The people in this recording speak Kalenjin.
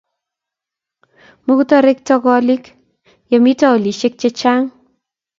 Mukutoretoko koliik ye mito olisiek che chang'